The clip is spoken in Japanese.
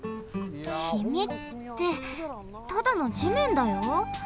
「きみ」ってただのじめんだよ？